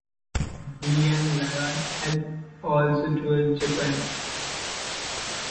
He and Lyons had also toured Japan.